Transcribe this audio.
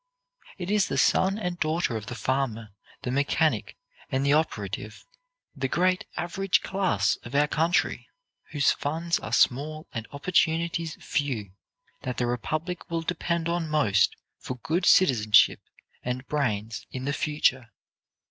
It is the son and daughter of the farmer, the mechanic and the operative, the great average class of our country, whose funds are small and opportunities few, that the republic will depend on most for good citizenship and brains in the future.